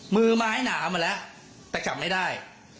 มือไม้หนามาแล้วแต่กลับไม่ได้